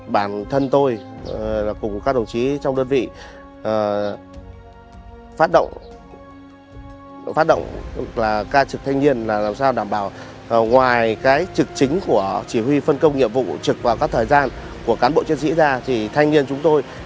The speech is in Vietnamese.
bản thân tôi cùng các đồng chí trong đơn vị phát động ca trực thanh niên là làm sao đảm bảo ngoài trực chính của chỉ huy phân công nhiệm vụ trực vào các thời gian